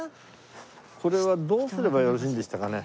これはどうすればよろしいんでしたかね？